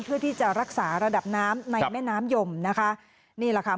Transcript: เพื่อที่จะรักษาระดับน้ำในแม่น้ำยมนะคะนี่แหละค่ะ